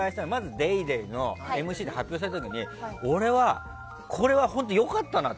「ＤａｙＤａｙ．」のＭＣって発表された時に俺は、これは本当に良かったなと。